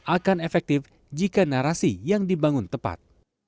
akan efektif jika narasi yang dibangun tepat